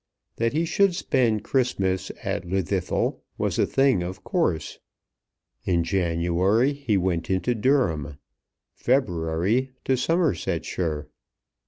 That he should spend Christmas at Llwddythlw was a thing of course. In January he went into Durham; February to Somersetshire.